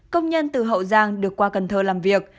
công nhân từ hậu giang được qua cần thơ làm việc